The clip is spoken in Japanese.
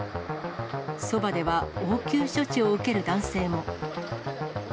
そばでは応急処置を受ける男性も。